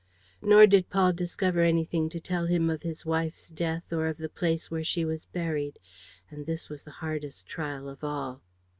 Nor did Paul discover anything to tell him of his wife's death or of the place where she was buried. And this was the hardest trial of all.